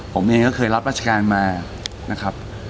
ผมเองก็เคยรับราชการมา